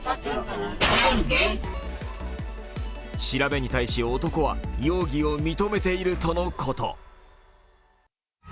調べに対し男は容疑を認めているとのこと。